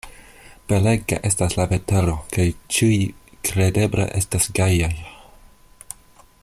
Belega estas la vetero kaj ĉiuj kredeble estas gajaj.